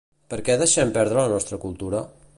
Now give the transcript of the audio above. Perquè deixem perdre la nostra cultura?